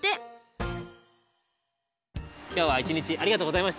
きょうは１日ありがとうございました。